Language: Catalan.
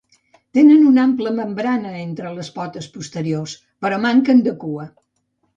Tenen una ampla membrana entre les potes posteriors, però manquen de cua.